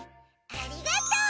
ありがとう！